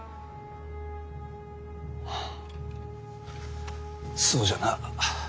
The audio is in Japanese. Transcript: ふうそうじゃな。